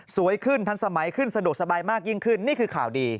สวยขึ้นทันสมัยขึ้นสะดวกสบายมากยิ่งขึ้นนี่คือข่าวดี